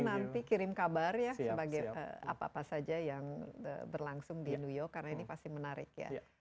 nanti kirim kabar ya sebagai apa apa saja yang berlangsung di new york karena ini pasti menarik ya